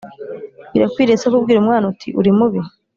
birakwiriye se kubwira umwami uti ‘uri mubi’